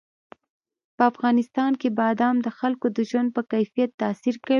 په افغانستان کې بادام د خلکو د ژوند په کیفیت تاثیر کوي.